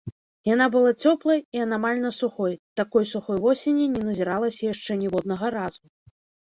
Яна была цёплай і анамальна сухой, такой сухой восені не назіралася яшчэ ніводнага разу.